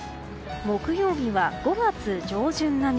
木曜日は５月上旬並み。